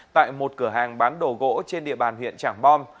tại một cửa hàng bán đồ gỗ trên địa bàn huyện trảng bom